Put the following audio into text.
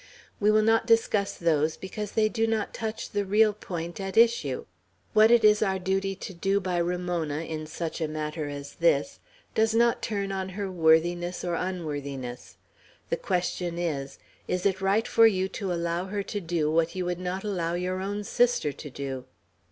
"We will not discuss those, because they do not touch the real point at issue. What it is our duty to do by Ramona, in such a matter as this, does not turn on her worthiness or unworthiness. The question is, Is it right for you to allow her to do what you would not allow your own sister to do?"